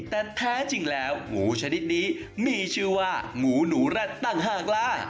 แต่แท้จริงแล้วหมูชนิดนี้มีชื่อว่าหมูหนูแร็ดต่างหากล่า